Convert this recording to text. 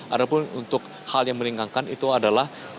ada pun untuk hal yang meringankan itu adalah